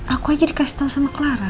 aku aja dikasih tahu sama clara